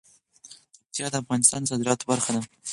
پکتیا د افغانستان د صادراتو برخه ده.